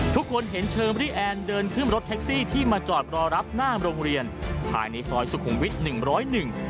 ทุกคนเห็นเชอรี่แอนเดินขึ้นรถแท็กซี่ที่มาจอดรอรับหน้าโรงเรียนภายในซอยสุขุมวิทย์หนึ่งร้อยหนึ่ง